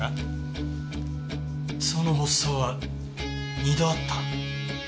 その発作は二度あった？